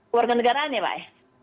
keluarga negaraan ya pak